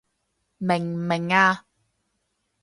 明唔明啊？